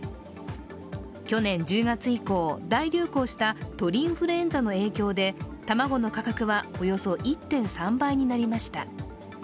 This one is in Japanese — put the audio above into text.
去年１０月以降、大流行した鳥インフルエンザの影響で、卵の価格はおよそ１．３倍になりました。